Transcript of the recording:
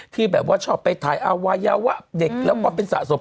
ที่แบบว่าชอบไปถ่ายอวัยวะเด็กแล้วก็เป็นสะสม